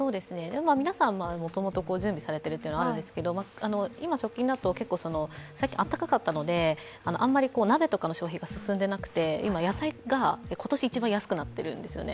皆さん、もともと準備されているというのはあるんですけど、今直近だと、さっき暖かかったのであまり鍋の消費が進んでいなくて今、野菜が今年一番安くなっているんですよね。